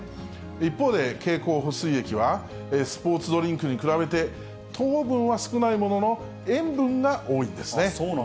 一方で経口補水液は、スポーツドリンクに比べて、糖分は少ないものの、塩分が多いんですね。